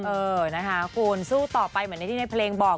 เออนะคะคุณสู้ต่อไปเหมือนในที่ในเพลงบอก